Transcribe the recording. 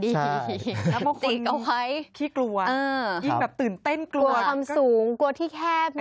แล้วคนที่กลัวยิ่งตื่นเต้นกลัวความสูงกลัวที่แคบเนอะ